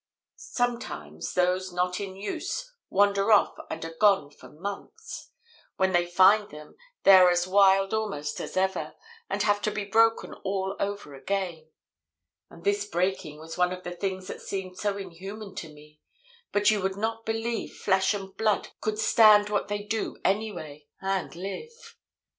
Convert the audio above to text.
Sometimes those not in use wander off and are gone for months. When they find them they are as wild almost as ever, and have to be broken all over again. And this breaking was one of the things that seemed so inhuman to me, but you would not believe flesh and blood could stand what they do anyway, and live.